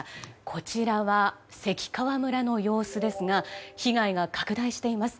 こちらは関川村の様子ですが被害が拡大しています。